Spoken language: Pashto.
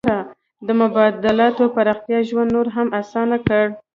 د مبادلاتو پراختیا ژوند نور هم اسانه کړ.